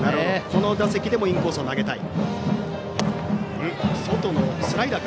この打席でもインコースを投げたい。